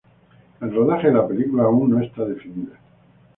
El rodaje de la película aún no está definida.